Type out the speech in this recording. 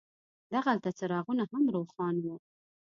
دغلته څراغونه هم روښان وو.